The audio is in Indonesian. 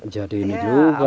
jadi ini juga